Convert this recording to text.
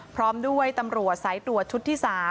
พร้อมด้วยตำรวจสายตรวจชุดที่๓